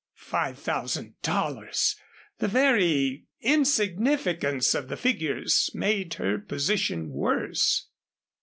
Five thousand dollars! The very insignificance of the figures made her position worse.